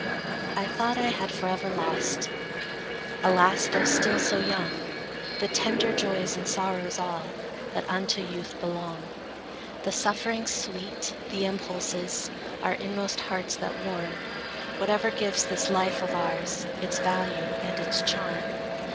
I thought I had forever lost, Alas, though still so young, The tender joys and sorrows all, That unto youth belong; The sufferings sweet, the impulses Our inmost hearts that warm; Whatever gives this life of ours Its value and its charm.